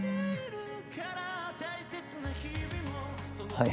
はい。